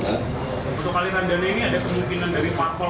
untuk kaliran dana ini ada kemungkinan dari pak pol